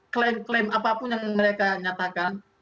klaim klaim apapun yang mereka nyatakan